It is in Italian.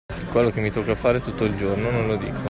Quello che mi tocca fare tutto il giorno, non lo dico;